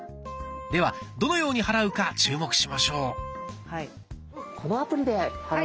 ではどのように払うか注目しましょう。